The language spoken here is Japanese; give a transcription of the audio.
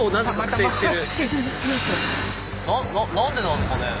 何でなんですかね？